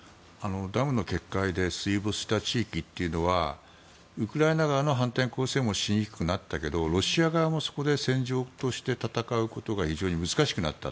ダムの決壊で水没した地域というのはウクライナ側の反転攻勢もしにくくなったけどロシア側もそこで戦場として戦うことが非常に難しくなった。